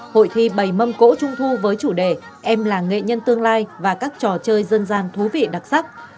hội thi bày mâm cỗ trung thu với chủ đề em là nghệ nhân tương lai và các trò chơi dân gian thú vị đặc sắc